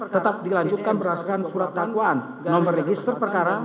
tetap dilanjutkan berdasarkan surat dakwaan nomor register perkara